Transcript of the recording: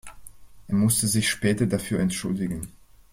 Er musste sich später dafür entschuldigen.